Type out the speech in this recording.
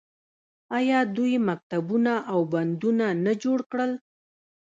آیا دوی مکتبونه او بندونه نه جوړ کړل؟